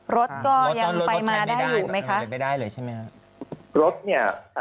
รถก็ยังไปมาได้ให้ใช้หรือเปลี่ยนไปมาได้รึเปล่า